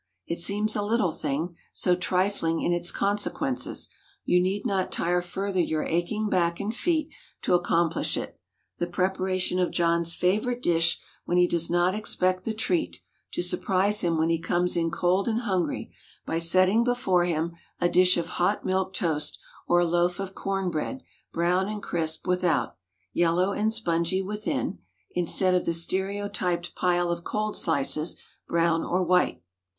It seems a little thing, so trifling in its consequences, you need not tire further your aching back and feet to accomplish it—the preparation of John's favorite dish when he does not expect the treat—to surprise him when he comes in cold and hungry, by setting before him a dish of hot milk toast, or a loaf of corn bread, brown and crisp without, yellow and spongy within, instead of the stereotyped pile of cold slices, brown or white.